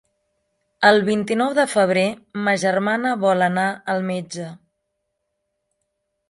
El vint-i-nou de febrer ma germana vol anar al metge.